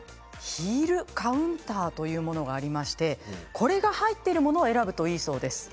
ヒールカウンターというものがありましてこれが入っているものを選ぶといいそうです。